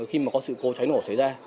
khi mà có sự cố cháy nổ xảy ra